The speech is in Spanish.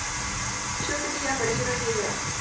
Chuck D apareció en el video.